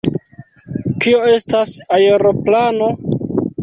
Kio estas aeroplano?